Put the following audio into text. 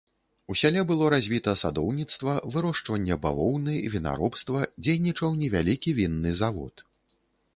У сяле было развіта садоўніцтва, вырошчванне бавоўны, вінаробства, дзейнічаў невялікі вінны завод.